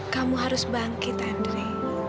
kamu harus bangkit andre